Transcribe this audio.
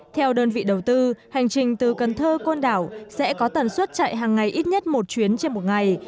theo đơn vị đầu tư hành trình từ cần thơ côn đảo sẽ có tần suất chạy hàng ngày ít nhất một chuyến trên một ngày